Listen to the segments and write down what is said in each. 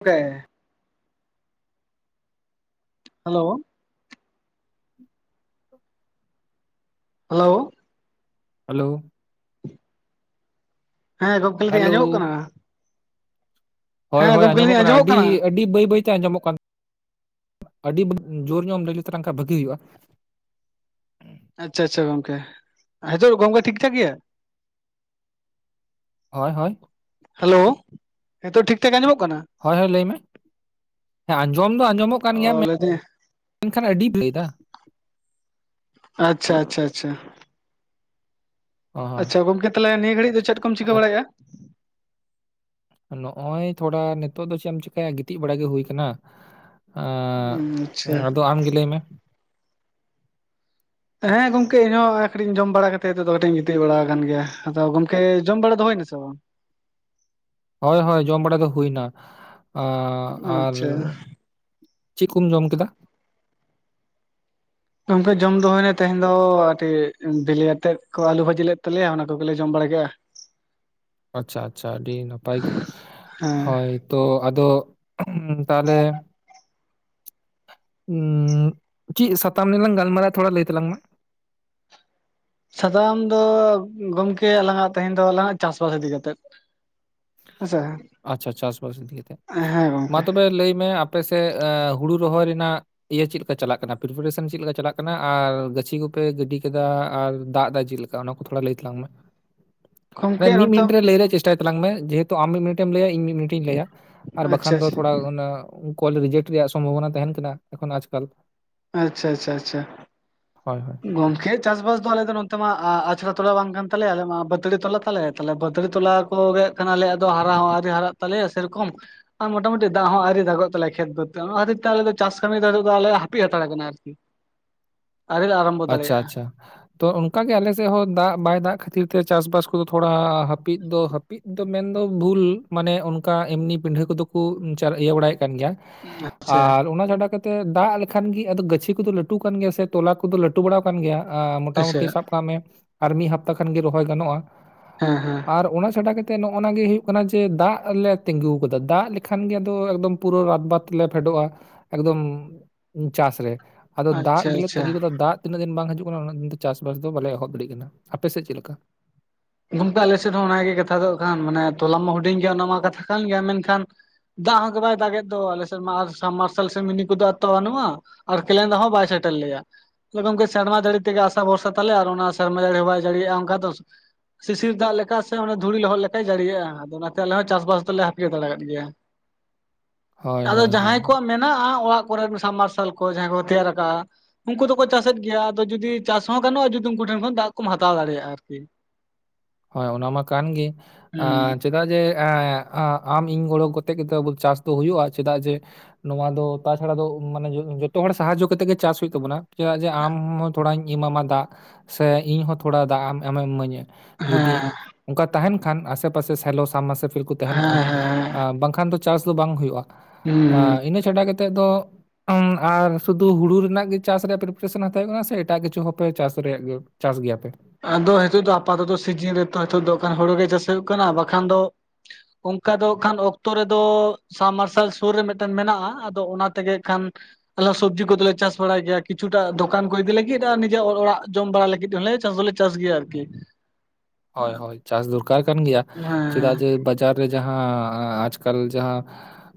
ᱚᱠᱮ, hello! [inaudible] Hello! ᱟᱞᱟᱹᱣ! ᱦᱮᱸ, ᱜᱚᱝᱠᱮ, ᱞᱟᱹ ᱫᱤ ᱦᱮᱞᱳ ᱟᱸᱡᱚᱢᱚᱜ ᱠᱟᱱᱟ, ᱦᱮᱸ ᱦᱳᱭ-ᱦᱳᱭ ᱜᱚᱢᱠᱮ ᱟᱡᱚᱢᱚᱜ ᱞᱟᱹᱭᱫᱟᱹᱧ ᱠᱟᱱᱟ, ᱟᱸᱡᱚᱢᱚᱜ ᱟᱹᱰᱤ, ᱟᱹᱰᱤ ᱵᱟᱹᱭ-ᱵᱟᱹᱭ- ᱛᱮ ᱟᱸᱡᱚᱢᱚᱜ ᱠᱟᱱ ᱟᱹᱰᱤ ᱵᱟᱹᱵᱟᱹᱜ, ᱩᱸ ᱡᱳᱨ ᱧᱚ ᱮᱢ ᱞᱟᱹᱭ ᱞᱮᱛᱟᱞᱟᱝ ᱠᱷᱟᱜ ᱵᱟᱹᱜᱽᱜᱤ ᱭᱩᱜᱼᱟ! ᱟᱸᱪᱪᱷᱟ-ᱪᱷᱟ ᱜᱚᱝᱠᱮ, ᱦᱟᱡᱳᱜ ᱜᱚᱝᱜᱚ ᱴᱷᱤᱠ-ᱴᱷᱟᱠ ᱜᱮᱹᱭᱟ? ᱦᱚᱭ-ᱦᱚᱭ᱾ ᱦᱮᱞᱳᱣ, ᱱᱤᱛᱳᱜ ᱴᱷᱤᱠ-ᱴᱷᱟᱠ ᱟᱸᱡᱚᱢᱚᱜ ᱠᱟᱱᱟ? ᱦᱚᱭ-ᱦᱚᱭ ᱞᱟᱹᱭ ᱢᱮ, ᱦᱮᱸ ᱟᱸᱡᱚᱢ ᱫᱚ ᱟᱸᱡᱚᱢᱚᱜ ᱠᱟᱱ ᱝᱮᱹᱭᱟ ᱚ ᱢᱮ ᱞᱟᱹᱭᱫᱟᱹᱧ ᱹᱮᱝᱠᱷᱟᱱ ᱟᱹᱰᱤ ᱵᱟᱹᱭ ᱫᱟ! ᱟᱪᱼᱪᱷᱟ-ᱪᱷᱟ-ᱪᱷᱟ! ᱚ ᱦᱚᱸ ᱟᱪᱪᱷᱟ ᱜᱚᱝᱠᱮ, ᱛᱟᱞᱮ ᱱᱤᱭᱟᱹ ᱜᱟᱹᱲᱤᱡ ᱫᱚ ᱪᱮᱫ ᱠᱚᱢ ᱪᱤᱠᱟᱹ ᱟᱪ- ᱵᱟᱲᱟᱭᱮᱜᱼᱟ? ᱱᱚᱜᱼᱚᱭ ᱛᱷᱳᱲᱟ ᱱᱤᱛᱚᱜ ᱫᱚ ᱪᱮᱜ ᱮᱢ ᱪᱮᱠᱟᱭᱟ, ᱜᱤᱛᱤᱡ ᱵᱟᱲᱟ ᱜᱮ ᱦᱩᱭ ᱠᱟᱱᱟ! ᱟᱸᱜ ᱟᱪᱪᱷᱟ ᱟᱫᱚ, ᱟᱢᱜᱮ ᱞᱟᱹᱭ ᱢᱮ! ᱦᱮᱸ ᱜᱚᱝᱠᱮ ᱤᱧᱦᱚᱸ ᱟ. ᱠᱟᱹᱴᱤᱡ ᱤᱧ ᱡᱚᱢ ᱵᱟᱲᱟ ᱦᱮᱸ ᱜᱚᱝᱠᱮ, ᱤᱧ ᱦᱚᱸ ᱠᱟᱹᱴᱤᱡ ᱡᱚᱢ ᱵᱟᱲᱟ ᱠᱟᱛᱮᱜ, ᱫᱚᱫᱚ ᱠᱟᱹᱴᱤᱡ ᱤᱧ ᱜᱤᱛᱤᱡ ᱵᱟᱲᱟ ᱠᱟᱱ ᱜᱮᱹᱭᱟᱦ᱾ ᱟᱫᱚ ᱜᱚᱢᱠᱮ, ᱡᱚᱢ ᱵᱟᱲᱟ ᱫᱚ ᱦᱩᱭᱱᱟ ᱥᱮ ᱵᱟᱝ? ᱦᱳᱭ-ᱦᱳᱭ, ᱡᱚᱢ ᱵᱟᱲᱟ ᱫᱚ ᱦᱩᱭᱱᱟ᱾ ᱟᱸ ᱟᱨ ᱟᱪᱪᱷᱟ ᱪᱮᱜ ᱠᱳᱢ ᱡᱚᱢ ᱠᱮᱫᱟ? ᱜᱚᱢᱠᱮ, ᱡᱚᱢ ᱫᱚ ᱦᱩᱭᱱᱮ ᱛᱮᱦᱮᱧ ᱫᱚ ᱴᱤᱡ ᱮᱹᱢ ᱵᱤᱞᱤ ᱟᱛᱮᱫ ᱠᱚ, ᱟᱹᱞᱩ ᱵᱷᱟᱹᱡᱤ ᱞᱮᱫ ᱛᱟᱞᱮᱭᱟ, ᱚᱱᱟ ᱠᱚᱜᱮᱞᱮ ᱡᱚᱢ ᱵᱟᱲᱟ ᱠᱮᱜᱼᱟ᱾ [inaudible] ᱟᱪᱪᱷᱟ-ᱟᱪᱪᱷᱟ, ᱟᱹᱰᱤ ᱱᱟᱯᱟᱭ ᱜᱮ, ᱦᱮᱸ ᱦᱚᱭ! ᱛᱚ ᱟᱫᱚ ᱛᱟᱼᱞᱮ! ᱩᱸᱜ ᱪᱮᱜ ᱥᱟᱛᱟᱢ ᱱᱮᱞᱟᱝ ᱜᱟᱞᱢᱟᱨᱟᱜ? ᱛᱷᱳᱲᱟ ᱞᱟᱹᱭ ᱛᱟᱞᱟᱝ ᱢᱮ! ᱥᱟᱫᱟᱢ ᱫᱚ ᱜᱚᱢᱠᱮ, ᱟᱞᱟᱝᱟᱜ ᱛᱮᱦᱮᱧ ᱫᱚ ᱞᱟᱝᱟᱜ 'ᱪᱟᱥᱵᱟᱥ' ᱤᱫᱤ ᱠᱟᱛᱮᱫ᱾ ᱟᱥᱥᱟ᱾ ᱟᱪᱪᱷᱟ ᱪᱟᱥᱵᱟᱥ ᱟᱥ ᱯᱟᱥ ᱤᱫᱤ ᱠᱟᱛᱮᱜ ᱢᱟ ᱛᱚᱵᱮ ᱞᱟᱹᱭᱢᱮ ᱟᱯᱮᱥᱮᱫ ᱦᱩᱲᱩ ᱨᱚᱦᱚᱭ ᱨᱮᱱᱟᱜ ᱤᱭᱟᱹ ᱪᱮᱫ ᱞᱮᱠᱟ ᱪᱟᱞᱟᱜ ᱠᱟᱱᱟ ᱯᱨᱤᱯᱤᱨᱤᱥᱚᱱ ᱪᱮᱫ ᱞᱮᱠᱟ ᱪᱟᱞᱟᱜ ᱠᱟᱱᱟ ᱟᱨ ᱜᱟᱹᱪᱷᱤ ᱠᱚᱯᱮ ᱜᱤᱰᱤ ᱠᱮᱫᱟᱟ ᱟᱨ ᱫᱟᱜ ᱫᱟᱭ ᱪᱮᱫ ᱞᱤᱠ ᱠᱟ ᱚᱱᱟ ᱠᱚ ᱛᱷᱳᱲᱟ ᱞᱟᱹᱭ ᱛᱟᱞᱟᱝ ᱢᱮ ᱮ ᱜᱚᱝᱠᱮ ᱢᱤᱫ ᱱᱚᱛᱮ ᱢᱤᱱᱤᱴ ᱨᱮ ᱞᱟᱹᱭ ᱨᱮᱭᱟᱜ ᱪᱮᱥᱴᱟᱭ ᱛᱟᱞᱟᱝ ᱢᱮ ᱡᱮᱦᱮᱛᱩ ᱟᱢ ᱢᱤᱫ ᱢᱤᱱᱤᱴᱮᱢ ᱞᱟᱹᱭᱟ ᱤᱧ ᱢᱤᱫ ᱢᱤᱱᱤᱴ ᱤᱧ ᱞᱟᱹᱭᱼᱟ ᱟᱨ ᱟᱪᱪᱷᱟ ᱵᱟᱠᱷᱟᱱ ᱫᱚ ᱛᱷᱳᱲᱟ ᱚᱱᱟᱹᱜ ᱠᱚᱞ ᱨᱮᱡᱮᱠᱴ ᱨᱮᱭᱟᱜ ᱥᱚᱢᱵᱷᱟᱵᱽᱵᱚᱱᱟ ᱛᱟᱦᱮᱸᱱ ᱠᱟᱱᱟ ᱮᱠᱷᱚᱱ ᱟᱡᱽᱼᱠᱚᱞ ᱟᱪᱪᱷᱟ ᱟᱪᱪᱷᱟ ᱟᱪᱪᱷᱟ ᱦᱳᱭ ᱦᱳᱭ ᱜᱚᱢᱠᱮᱡ ᱪᱟᱥᱵᱟᱥ ᱫᱚ ᱟᱞᱮ ᱫᱚ ᱱᱚᱛᱮ ᱢᱟ ᱟᱪᱷᱲᱟ ᱛᱚᱞᱟ ᱵᱟᱝ ᱠᱟᱱ ᱛᱟᱞᱮᱭᱟ ᱟᱞᱮ ᱢᱟ ᱵᱟᱹᱫᱽᱲᱟᱹ ᱛᱚᱞᱟ ᱛᱟᱞᱮ ᱛᱮ ᱵᱟᱹᱫᱽᱲᱟᱹ ᱛᱚᱞᱟ ᱠᱚᱜᱮ ᱠᱟᱱᱟᱞᱮ ᱟᱫᱚ ᱦᱟᱨᱟ ᱦᱚᱸ ᱟᱹᱣᱨᱤ ᱦᱟᱨᱟᱜ ᱛᱟᱞᱮᱭᱟ ᱥᱮᱨᱚᱠᱚᱢ ᱟᱨ ᱢᱳᱴᱟᱢᱩᱴᱤ ᱫᱟᱜ ᱦᱚᱸ ᱟᱹᱣᱨᱤ ᱫᱟᱜᱚᱜ ᱛᱟᱞᱮᱭᱟ ᱠᱷᱮᱛ ᱫᱚ ᱮᱛᱮᱫ ᱚᱱᱟ ᱠᱷᱟᱹᱛᱤᱨ ᱛᱮ ᱟᱞᱮ ᱫᱚ ᱪᱟᱥ ᱠᱟᱹᱢᱤ ᱨᱮ ᱱᱤᱛᱳᱜ ᱫᱚ ᱟᱞᱮ ᱦᱟᱨᱟ [unintelligible] ᱦᱟᱛᱟᱲ ᱟᱠᱟᱱᱟ ᱟᱨᱠᱤ ᱟᱹᱣᱨᱤ ᱟᱪᱪᱷᱟ ᱫᱟᱲᱮᱭᱟᱜᱼᱟ ᱟᱪᱪᱷᱟ ᱛᱚ ᱚᱱᱠᱟ ᱜᱮ ᱟᱞᱮᱥᱮᱫ ᱦᱚᱸ ᱫᱟᱜ ᱵᱟᱭ ᱫᱟᱜ ᱠᱷᱟᱹᱛᱤᱨ ᱛᱮ ᱪᱟᱥ ᱵᱟᱥ ᱠᱚᱫᱚ ᱛᱷᱳᱲᱟ ᱦᱟᱹᱯᱤᱫ ᱫᱚ ᱦᱟᱹᱯ ᱯᱤᱫ ᱫᱚ ᱢᱮᱱᱫᱚ ᱵᱷᱩᱞ ᱢᱟᱱᱮ ᱚᱱᱠᱟ ᱮᱢᱱᱤ ᱯᱤᱰᱷᱟᱹ ᱠᱚᱫᱚ ᱠᱚ ᱤᱭᱟᱹ ᱵᱟᱲᱟᱭᱮᱫ ᱠᱟᱱ ᱜᱮᱭᱟ ᱟᱪᱪᱷᱟ ᱟᱨ ᱚᱱᱟ ᱪᱷᱟᱰᱟ ᱠᱟᱛᱮᱜ ᱫᱟᱜ ᱞᱮᱠᱷᱟᱱ ᱜᱮ ᱟᱫᱚ ᱜᱟᱹᱪᱷᱤ ᱠᱚᱫᱚ ᱞᱟᱹᱴᱩ ᱠᱟᱱ ᱜᱮᱭᱟ ᱥᱮ ᱛᱚᱞᱟ ᱠᱚᱫᱚ ᱞᱟᱹᱴᱩ ᱞᱟᱹᱴᱩ ᱵᱟᱲᱟ ᱟᱠᱟᱱ ᱜᱮᱭᱟ ᱟ ᱟᱪᱪᱷᱟ ᱢᱳᱴᱟᱢᱩᱴᱤ ᱥᱟᱵ ᱠᱟᱜ ᱢᱮ ᱟᱨ ᱢᱤᱫ ᱦᱟᱯᱛᱟ ᱠᱷᱟᱱᱜᱮ ᱨᱚᱦᱚᱭ ᱜᱟᱱᱚᱜᱼᱟ ᱮᱸ ᱦᱮᱸ ᱟᱨ ᱚᱱᱟ ᱪᱷᱟᱰᱟ ᱠᱟᱛᱮᱜ ᱱᱚᱜ ᱚᱱᱟ ᱜᱮ ᱦᱩᱭᱩᱜ ᱠᱟᱱᱟ ᱡᱮ ᱫᱟᱜ ᱞᱮ ᱛᱤᱸᱜᱩ ᱟᱠᱟᱫᱟ ᱫᱟᱜ ᱞᱮᱠᱷᱟᱱ ᱜᱮ ᱟᱫᱚ ᱮᱠᱫᱚᱢ ᱯᱩᱨᱟᱹ ᱨᱟᱛᱵᱟᱛ ᱞᱮ ᱯᱷᱮᱰᱚᱜᱼᱟ ᱮᱠᱫᱚᱢ ᱪᱟᱥ ᱨᱮ ᱟᱫᱚ ᱫᱟᱜ ᱟᱪᱪᱷᱟ ᱜᱮᱞᱮ ᱟᱪᱪᱷᱟ ᱛᱟᱺᱜᱤ ᱟᱠᱟᱫᱟ ᱫᱟᱜ ᱛᱤᱱᱟᱹᱜ ᱫᱤᱱ ᱵᱟᱝ ᱦᱤᱡᱩᱜ ᱠᱟᱱᱟ ᱩᱱᱟᱹᱜ ᱫᱤᱱ ᱫᱚ ᱪᱟᱥ ᱵᱟᱥ ᱫᱚ ᱵᱟᱞᱮ ᱮᱦᱚᱵ ᱫᱟᱲᱤᱜ ᱠᱟᱱᱟ ᱟᱯᱮᱥᱮᱫ ᱪᱮᱫ ᱞᱮᱠᱟ? ᱜᱚᱝᱠᱮ ᱟᱞᱮ ᱥᱮᱫ ᱦᱚᱸ ᱚᱱᱟᱜᱮ ᱠᱟᱛᱷᱟ ᱫᱚ ᱠᱟᱱ ᱢᱟᱱᱮ ᱛᱚᱞᱟ ᱢᱟ ᱦᱩᱰᱤᱧ ᱜᱮᱭᱟ ᱚᱱᱟ ᱢᱟ ᱠᱟᱛᱷᱟ ᱠᱟᱱ ᱜᱮᱭᱟ ᱢᱮᱱᱠᱷᱟᱱ ᱫᱟᱜ ᱦᱚᱸᱜ ᱵᱟᱭ ᱫᱟᱜᱮᱫ ᱫᱚ ᱟᱞᱮᱥᱮᱫ ᱢᱟ ᱥᱟᱼᱢᱟᱨᱥᱟᱞ ᱥᱮ ᱢᱤᱱᱤ ᱠᱚᱫᱚ ᱛᱚ ᱵᱟᱹᱱᱩᱜᱼᱟ ᱟᱨ ᱠᱮᱱᱮᱱ ᱫᱟᱜ ᱦᱚᱸ ᱵᱟᱭ ᱥᱮᱴᱮᱨ ᱞᱮᱭᱟ ᱜᱚᱢᱠᱮ ᱥᱮᱨᱢᱟ ᱡᱟᱹᱲᱤ ᱛᱮᱜᱮ ᱟᱥᱟ ᱵᱷᱚᱨᱥᱟ ᱛᱟᱞᱮ ᱟᱨ ᱚᱱᱟ ᱥᱮᱨᱢᱟ ᱡᱟᱹᱲᱤ ᱦᱚᱸ ᱵᱟᱭ ᱡᱟᱹᱲᱤᱭᱮᱫᱼᱟ ᱚᱱᱠᱟ ᱫᱚ ᱥᱤᱥᱤᱨ ᱫᱟᱜ ᱞᱮᱠᱟ ᱥᱮ ᱚᱱᱟ ᱫᱷᱩᱲᱤ ᱞᱚᱦᱚᱫ ᱞᱮᱠᱟᱭ ᱡᱟᱲᱤᱭᱮᱜᱼᱟ ᱟᱫᱚ ᱚᱱᱟᱛᱮ ᱟᱞᱮ ᱦᱚᱸ ᱪᱟᱥᱵᱟᱥ ᱫᱚᱞᱮ ᱦᱟᱹᱯᱤ ᱦᱟᱛᱟᱲ ᱟᱠᱟᱫ ᱜᱮᱭᱟ ᱦᱳᱭ ᱟᱫᱚ ᱦᱳᱭ ᱦᱳᱭ ᱡᱟᱦᱟᱸᱭ ᱠᱚᱣᱟᱜ ᱢᱮᱱ ᱢᱮᱱᱟᱜᱼᱟ ᱚᱲᱟᱜ ᱠᱚᱨᱮ ᱥᱟᱵ ᱢᱟᱨᱥᱟᱞ ᱠᱚ ᱡᱟᱦᱟᱸᱭ ᱠᱚ ᱛᱮᱭᱟᱨ ᱠᱟᱜᱼᱟ ᱩᱱᱠᱩ ᱫᱚᱠᱚ ᱪᱟᱥᱮᱫ ᱜᱮᱭᱟ ᱟᱫᱚ ᱡᱩᱫᱤ ᱪᱟᱥ ᱦᱚᱸ ᱜᱟᱱᱚᱜᱼᱟ ᱡᱩᱫᱤ ᱩᱱᱠᱩ ᱴᱷᱮᱱ ᱠᱷᱚᱱ ᱫᱟᱜ ᱠᱚᱢ ᱦᱟᱛᱟᱣ ᱫᱟᱲᱮᱭᱟᱜᱼᱟ ᱟᱨᱠᱤ ᱦᱳᱭ ᱚᱱᱟ ᱢᱟ ᱠᱟᱱ ᱜᱮ ᱟᱸᱻ ᱦᱩᱸ ᱪᱮᱫ ᱠᱟᱴᱮ ᱮᱸᱜ ᱟᱜ ᱟᱢ ᱤᱧ ᱜᱚᱲᱚ ᱠᱟᱛᱮᱜ ᱜᱮᱛᱚ ᱪᱟᱥ ᱫᱚ ᱦᱩᱭᱩᱜᱼᱟ ᱪᱮᱫᱟᱜ ᱡᱮ ᱱᱚᱣᱟ ᱫᱚ ᱛᱟᱪᱷᱟᱲᱟ ᱫᱚ ᱢᱟᱱᱮ ᱡᱚᱛᱚ ᱦᱚᱲ ᱥᱟᱦᱟᱡᱚ ᱠᱟᱛᱮᱜ ᱜᱮ ᱪᱟᱥ ᱦᱩᱭᱩᱜ ᱛᱟᱵᱚᱱᱟ ᱪᱮᱫᱟᱜ ᱡᱮ ᱟᱢ ᱛᱷᱚᱲᱟᱧ ᱮᱢᱟᱢᱟ ᱫᱟᱜ ᱥᱮ ᱤᱧ ᱦᱚᱸ ᱛᱷᱚᱲᱟ ᱫᱟᱜ ᱟᱢᱮᱢ ᱤᱢᱟᱹᱧᱟ ᱡᱩᱚᱫᱤ ᱦᱮᱸ ᱚᱱᱠᱟ ᱛᱟᱦᱮᱱ ᱠᱷᱟᱱ ᱟᱥᱮᱯᱟᱥᱮ ᱥᱮᱞᱚ ᱥᱟᱢᱵᱟᱥᱯᱤᱞ ᱠᱚ ᱛᱟᱦᱮᱱ ᱦᱮᱸ ᱠᱷᱟᱱ ᱦᱮᱸ ᱵᱟᱝᱠᱷᱟᱱ ᱫᱚ ᱪᱟᱥ ᱫᱚ ᱵᱟᱝ ᱦᱩᱭᱩᱜᱼᱟ ᱦᱩᱸ ᱟᱹᱜ ᱤᱱᱟᱹ ᱪᱷᱟᱰᱟ ᱠᱟᱛᱮᱫ ᱫᱚ ᱟᱢ ᱟᱨ ᱥᱩᱫᱷᱩ ᱦᱩᱲᱩ ᱨᱮᱱᱟᱜ ᱜᱮ ᱪᱟᱥ ᱨᱮᱭᱟᱜ ᱯᱨᱤᱯᱟᱨᱮᱥᱚᱱ ᱦᱟᱛᱟᱣ ᱦᱩᱭᱩᱜ ᱠᱟᱱᱟ ᱥᱮ ᱮᱴᱟᱜ ᱠᱤᱪᱷᱩ ᱦᱚᱸᱯᱮ ᱪᱟᱥ ᱨᱮᱭᱟᱜ ᱜᱮ ᱪᱟᱥ ᱜᱮᱭᱟᱯᱮ? ᱟᱫᱚ ᱱᱤᱛᱚᱜ ᱫᱚ ᱟᱯᱟᱛᱚᱛᱚ ᱥᱤᱡᱤᱱ ᱨᱮᱛᱚ ᱫᱚ ᱦᱳᱲᱳ ᱜᱮ ᱪᱟᱥ ᱦᱩᱭᱩᱜ ᱠᱟᱱᱟ ᱵᱟᱠᱷᱟᱱ ᱫᱚ ᱚᱱᱠᱟ ᱫᱚ ᱠᱷᱟᱱ ᱚᱠᱛᱚ ᱨᱮᱫᱚ ᱥᱟᱢᱟᱨ ᱥᱮᱞ ᱥᱩᱨ ᱨᱮ ᱢᱤᱫᱴᱮᱱ ᱢᱮᱱᱟᱜᱼᱟ ᱟᱫᱚ ᱚᱱᱟ ᱛᱮᱜᱮ ᱠᱷᱟᱱ ᱟᱞᱮ ᱥᱚᱵᱽᱡᱤ ᱠᱚᱫᱚᱞᱮ ᱪᱟᱥ ᱵᱟᱲᱟᱭ ᱜᱮᱭᱟ ᱠᱤᱪᱷᱩᱴᱟ ᱫᱚᱠᱟᱱ ᱠᱚ ᱤᱫᱤ ᱞᱟᱹᱜᱤᱫ ᱟᱨ ᱱᱤᱡᱮ ᱚᱲᱟᱜ ᱡᱚᱢ ᱵᱟᱲᱟ ᱞᱟᱹᱜᱤᱫ ᱦᱚᱸᱞᱮ ᱪᱟᱥ ᱫᱚᱞᱮ ᱪᱟᱥ ᱜᱮᱭᱟ ᱟᱨᱠᱤ ᱦᱳᱭ ᱦᱳᱭ ᱪᱟᱥ ᱫᱚᱨᱠᱟᱨ ᱠᱟᱱ ᱜᱮᱭᱟ ᱪᱮᱫᱟᱜ ᱦᱮᱸ ᱡᱮ ᱵᱟᱡᱟᱨ ᱨᱮ ᱡᱟᱦᱟᱸ ᱟᱡᱽᱠᱟᱞ ᱡᱟᱦᱟᱸ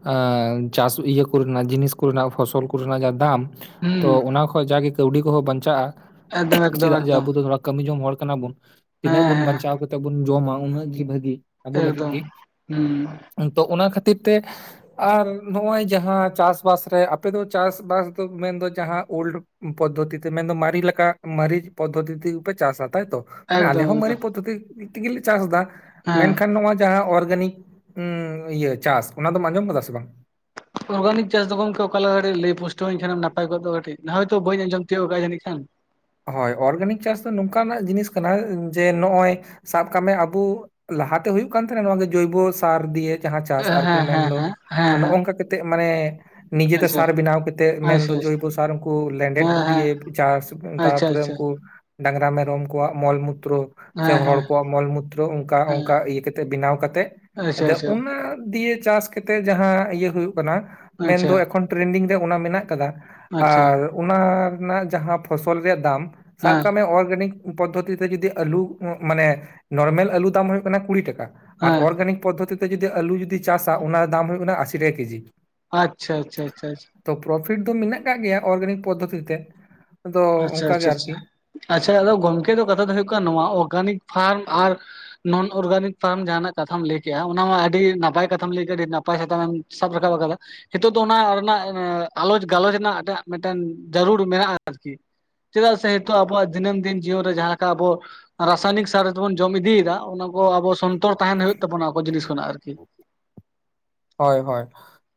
ᱟᱸᱜ ᱪᱟᱥᱩ ᱤᱭᱟᱹ ᱠᱚᱨᱮᱱᱟᱜ ᱡᱤᱱᱤᱥ ᱠᱚᱨᱮᱱᱟᱜ ᱯᱷᱚᱥᱚᱞ ᱠᱚᱨᱮᱱᱟᱜ ᱡᱟ ᱫᱟᱢ ᱛᱚ ᱦᱩᱸ ᱚᱱᱟ ᱠᱷᱚᱡ ᱡᱟᱜᱮ ᱠᱟᱹᱣᱰᱤ ᱠᱚᱦᱚᱸ ᱵᱟᱧᱪᱟᱜᱼᱟ ᱮᱠᱫᱚᱢ ᱮᱠᱫᱚᱢ ᱪᱮᱫᱟᱜ ᱡᱮ ᱮᱠᱫᱚᱢ ᱟᱵᱚ ᱫᱷᱚ ᱠᱟᱹᱢᱤ ᱡᱚᱝ ᱦᱚᱲ ᱠᱟᱱᱟ ᱵᱩᱱ ᱦᱮᱸ ᱵᱚᱱ ᱦᱮᱸ ᱵᱟᱧᱪᱟᱣ ᱠᱟᱛᱮᱜ ᱵᱚᱱ ᱡᱚᱢᱟ, ᱩᱱᱟᱹᱜ ᱜᱮ ᱵᱷᱟᱜᱤ ᱟᱵᱚ ᱞᱟᱹᱜᱤᱫ ᱮᱠᱫᱚᱢ ᱜᱮ ᱦᱩᱸ ᱾ ᱛᱚ ᱚᱱᱟ ᱠᱷᱟᱹᱛᱤᱨ ᱛᱮ ᱟᱨ ᱱᱚᱜᱼᱚᱭ ᱡᱟᱦᱟᱸ ᱪᱟᱥᱵᱟᱥ ᱨᱮ ᱟᱯᱮ ᱫᱚ ᱪᱟᱥᱵᱟᱥ ᱫᱚ ᱢᱮᱱᱫᱚ ᱡᱟᱦᱟᱸ ᱳᱞᱰ ᱯᱚᱫᱽᱫᱷᱚᱛᱤ ᱛᱮ ᱢᱮᱱᱫᱚ ᱢᱟᱨᱤ ᱞᱮᱠᱟ ᱢᱟᱨᱤ ᱯᱚᱫᱽᱫᱷᱚᱛᱤ ᱛᱮᱜᱮ ᱯᱮ ᱪᱟᱥᱟ ᱛᱟᱭᱛᱚ ᱾ ᱢᱟᱱᱮ ᱮᱠᱫᱚᱢ ᱟᱞᱮᱦᱚᱸ ᱢᱟᱨᱮ ᱮᱠᱫᱚᱢ ᱯᱚᱫᱽᱫᱷᱚᱛᱤ ᱛᱮᱜᱮᱞᱮ ᱪᱟᱥ ᱮᱫᱟ, ᱦᱮᱸ ᱢᱮᱱᱠᱷᱟᱱ ᱱᱚᱣᱟ ᱡᱟᱦᱟᱸ ᱚᱨᱜᱟᱱᱤᱠ ᱩᱸ ᱤᱭᱟᱹ ᱪᱟᱥ ᱚᱱᱟᱫᱚᱢ ᱟᱸᱡᱚᱢ ᱟᱠᱟᱫᱟ ᱥᱮ ᱵᱟᱝ? ᱚᱨᱜᱟᱱᱤᱠ ᱪᱟᱥ ᱫᱚ ᱜᱚᱢᱠᱮ ᱚᱠᱟ ᱞᱮᱠᱟ ᱠᱟᱹᱴᱤᱡ ᱞᱟᱹᱭ ᱯᱩᱥᱴᱟᱹᱣ ᱟᱹᱧ ᱠᱷᱟᱱᱮᱢ ᱱᱟᱯᱟᱭ ᱠᱚᱜ ᱫᱚ ᱠᱟᱴᱤᱡ, ᱦᱚᱭᱛᱚ ᱵᱟᱹᱧ ᱟᱡᱚᱢ ᱛᱤᱭᱳ ᱠᱟᱜᱼᱟ ᱡᱟᱹᱱᱤᱡ ᱠᱷᱟᱱ ᱾ ᱦᱚᱭ ᱚᱨᱜᱟᱱᱤᱠ ᱪᱟᱥ ᱫᱚ ᱱᱚᱝᱠᱟ ᱱᱟᱜ ᱡᱤᱱᱤᱥ ᱠᱟᱱᱟ ᱡᱮ ᱱᱚᱜᱼᱚᱭ ᱥᱟᱵ ᱠᱟᱜ ᱢᱮ ᱟᱵᱩ ᱞᱟᱦᱟᱛᱮ ᱦᱩᱭᱩᱜ ᱠᱟᱱᱟᱸ ᱛᱟᱦᱮᱱᱟ ᱱᱚᱣᱟ ᱜᱮ ᱡᱚᱭᱵᱚ ᱥᱟᱨ ᱫᱤᱭᱮ ᱡᱟᱦᱟᱸ ᱪᱟᱥ ᱦᱮᱸ ᱟᱨᱠᱤ ᱦᱮᱸ ᱢᱮᱱᱫᱚ ᱦᱮᱸ ᱦᱮᱸ ᱦᱮᱸ ᱱᱚᱜᱼᱚᱝᱠᱟ ᱠᱟᱛᱮᱜ ᱢᱟᱱᱮ ᱱᱤᱡᱮᱛᱮ ᱟᱪᱪᱷᱟ ᱥᱟᱨ ᱵᱮᱱᱟᱣ ᱠᱟᱛᱮᱫ ᱟᱪᱪᱷᱟ ᱢᱮᱱᱫᱚ ᱟᱪᱪᱷᱟ ᱡᱚᱭᱵᱚ ᱥᱟᱨ ᱩᱱᱠᱩ ᱞᱮᱸᱰᱷᱮᱫ ᱦᱮᱸ ᱠᱚ ᱫᱤᱭᱮ ᱦᱮᱸ ᱪᱟᱥ ᱟᱪᱪᱷᱟ ᱛᱟᱯᱚᱨᱮ ᱟᱪᱪᱷᱟ ᱩᱱᱠᱩ ᱰᱟᱝᱨᱟ ᱢᱮᱨᱚᱢ ᱠᱚᱣᱟᱜ ᱢᱚᱞ ᱢᱩᱛᱨᱚ ᱥᱮ ᱦᱮᱸ ᱦᱮᱸ ᱦᱚᱲ ᱦᱮᱸ ᱠᱚᱣᱟᱜ ᱢᱚᱞ ᱢᱩᱛᱨᱚ ᱚᱱᱠᱟ ᱚᱱᱠᱟ ᱤᱭᱟᱹ ᱠᱟᱛᱮ ᱵᱮᱱᱟᱣ ᱠᱟᱛᱮᱫᱼᱼ ᱟᱪᱪᱷᱟ ᱟᱫᱚ ᱟᱪᱪᱷᱟ ᱚᱱᱟ ᱫᱤᱭᱮ ᱪᱟᱥ ᱾ ᱠᱟᱛᱮ ᱡᱟᱦᱟᱸ ᱤᱭᱟᱹ ᱦᱩᱭᱩᱜ ᱠᱟᱱᱟ ᱢᱮᱱ ᱫᱚ ᱟᱪᱪᱷᱟ ᱟᱪᱪᱷᱟ ᱦᱮᱸ ᱦᱮᱸ ᱟᱪᱪᱷᱟ ᱟᱪᱪᱷᱟ ᱟᱪᱪᱷᱟ ᱮᱠᱷᱚᱱ ᱴᱨᱮᱱᱰᱤᱝ ᱨᱮ ᱚᱱᱟ ᱢᱮᱱᱟᱜ ᱟᱠᱟᱫᱟ, ᱟᱨ ᱚᱱᱟ ᱨᱮᱱᱟᱜ ᱡᱟᱦᱟᱸ ᱯᱷᱚᱥᱚᱞ ᱨᱮᱭᱟᱜ ᱫᱟᱢ ᱥᱟᱵ ᱠᱟᱜ ᱢᱮ ᱚᱞᱨᱮᱰᱤ ᱯᱚᱫᱽᱫᱷᱚᱛᱤ ᱛᱤᱛᱮ ᱡᱩᱫᱤ ᱟᱞᱩ ᱢᱟᱱᱮ ᱱᱚᱨᱢᱮᱞ ᱟᱞᱩ ᱫᱟᱢ ᱦᱳᱭᱜ ᱠᱟᱱᱟ ᱠᱩᱲᱤ ᱴᱟᱠᱟ᱾ ᱟᱨ ᱚᱨᱜᱟᱱᱤᱠ ᱯᱚᱫᱽᱫᱷᱚᱛᱤ ᱛᱮ ᱡᱩᱚᱫᱤ ᱟᱞᱩ ᱡᱩᱫᱤ ᱪᱟᱥᱟ, ᱚᱱᱟ ᱫᱟᱢ ᱦᱩᱭᱩᱜᱜ ᱠᱟᱱᱟ ᱟᱥᱤ ᱴᱟᱠᱟ ᱠᱮᱡᱤ ᱾ ᱟᱪᱪᱷᱟ ᱟᱪᱪᱷᱟ ᱟᱪᱪᱷᱟ ᱟᱪᱪᱷᱟ ᱾ ᱛᱚ ᱯᱨᱚᱯᱷᱤᱴ ᱫᱚ ᱢᱮᱱᱟᱜ ᱠᱟᱜ ᱜᱮᱭᱟ ᱚᱨᱜᱟᱱᱤᱠ ᱯᱚᱫᱽᱫᱷᱚᱛᱤ ᱛᱤᱛᱮ ᱾ ᱟᱪᱪᱷᱟ ᱟᱪᱪᱷᱟ ᱟᱪᱪᱷᱟ ᱟᱪᱪᱷᱟ, ᱟᱫᱚ ᱜᱚᱝᱠᱮ ᱫᱚ ᱠᱟᱛᱷᱟ ᱫᱚ ᱦᱩᱭᱩᱜ ᱠᱟᱱᱟ ᱱᱚᱣᱟ ᱚᱨᱜᱟᱱᱤᱠ ᱯᱷᱟᱨᱢ ᱟᱨ ᱱᱚᱱ ᱚᱨᱜᱟᱱᱤᱠ ᱯᱷᱟᱨᱢ ᱡᱟᱦᱟᱱᱟᱜ ᱠᱟᱛᱷᱟᱢ ᱞᱟᱹᱭ ᱠᱮᱜᱟ, ᱚᱱᱟ ᱢᱟ ᱟᱹᱰᱤ ᱱᱟᱯᱟᱭ ᱠᱟᱛᱷᱟᱢ ᱞᱟᱹᱭ ᱠᱮᱫᱮᱜ ᱟᱹᱰᱤ ᱱᱟᱯᱟᱭ ᱠᱟᱛᱷᱟᱢ ᱥᱟᱵ ᱨᱟᱠᱟᱵ ᱟᱠᱟᱫᱟ, ᱱᱤᱛᱚᱜ ᱫᱚ ᱚᱱᱟ ᱨᱮᱱᱟᱜ ᱟᱞᱚᱪ ᱜᱟᱞᱚᱪ ᱨᱮᱱᱟᱜ ᱮᱜ ᱢᱤᱫᱴᱮᱱ ᱡᱟᱹᱨᱩᱲ ᱢᱮᱱᱟᱜᱼᱟ᱾ ᱟᱨᱠᱤ ᱪᱮᱫᱟᱜ ᱥᱮ ᱱᱤᱛᱚᱜ ᱟᱵᱚᱣᱟᱜ ᱫᱤᱱᱟᱹᱢ ᱫᱤᱱ ᱡᱤᱭᱚᱱ ᱨᱮ ᱡᱟᱦᱟᱸ ᱞᱮᱠᱟ ᱟᱵᱚ ᱨᱟᱥᱟᱭᱱᱤᱠ ᱥᱟᱨ ᱛᱮᱵᱚᱱ ᱡᱚᱢ ᱤᱫᱤᱭᱮᱫᱟ ᱚᱱᱟ ᱠᱚ ᱟᱵᱚ ᱥᱚᱱᱛᱚᱨ ᱛᱟᱦᱮᱱ ᱦᱩᱭᱩᱜ ᱛᱟᱵᱚᱱᱟ ᱚᱱᱟ ᱡᱤᱱᱤᱥ ᱠᱷᱚᱱᱟᱜ ᱾ ᱟᱨᱠᱤ ᱦᱚᱭ ᱦᱚᱭ